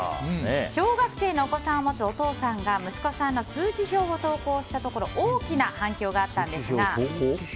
小学生のお子さんを持つお父さんが息子さんの通知表を投稿したところ大きな反響があったんですが。